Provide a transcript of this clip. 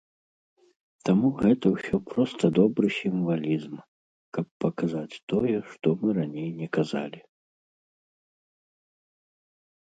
Таму гэта ўсё проста добры сімвалізм, каб паказаць тое, што мы раней не казалі.